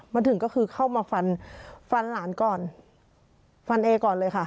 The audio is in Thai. มาถึงก็คือเข้ามาฟันฟันหลานก่อนฟันเอก่อนเลยค่ะ